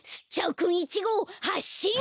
くん１ごうはっしん！